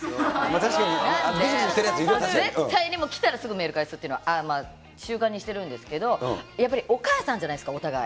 確かに、絶対にもう来たらすぐメール返すっていうのは習慣にしてるんですけど、やっぱりお母さんじゃないですか、お互い。